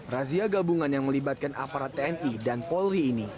razia gabungan yang melibatkan aparat tni dan polri ini